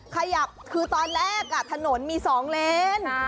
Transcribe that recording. ขยับคือตอนแรกถนนมี๒เลน